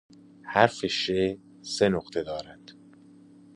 "حرف "ش" سه نقطه دارد."